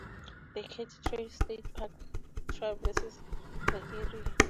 The Katy Trail State Park traverses the area.